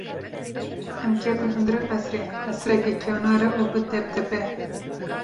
Em ketin hundirê qesirê; qesirekê kevnare û bi depdepe.